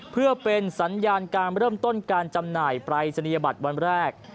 เพื่อเป็นสัญญาณการเริ่มต้นการจำหน่ายปรายศนียบัตรวันแรก